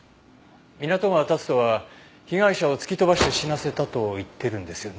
湊川龍登は被害者を突き飛ばして死なせたと言ってるんですよね？